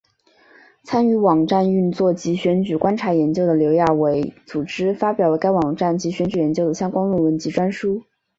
参与网站运作及选举观察研究的刘亚伟组织发表了该网站及选举研究的相关论文及专书。